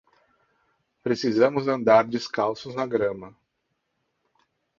Precisamos andar descalços na grama.